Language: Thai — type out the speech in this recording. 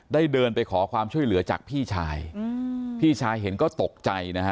เดินไปขอความช่วยเหลือจากพี่ชายอืมพี่ชายเห็นก็ตกใจนะฮะ